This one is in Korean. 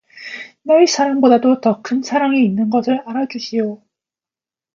나의 사랑보다도 더 큰 사랑이 있는 것을 알아 주시오.